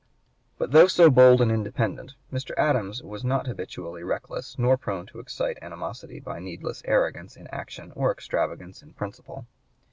But though so bold and independent, Mr. Adams was not habitually reckless nor prone to excite animosity by needless arrogance in action or extravagance in principle.